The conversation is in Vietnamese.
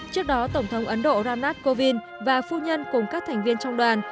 trước đó tổng thống ấn độ ramnath kovind và phu nhân cùng các thành viên trong đoàn